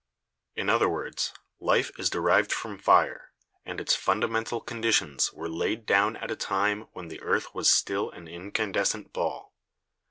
In other words, life is derived from fire, and its fundamental conditions were laid down at a time when the earth was still an incandescent ball.